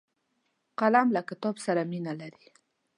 قلم له کتاب سره مینه لري